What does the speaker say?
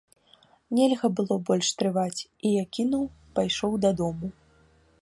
Нельга было больш трываць, і я кінуў, пайшоў дадому.